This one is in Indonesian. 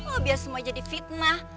oh biar semua jadi fitnah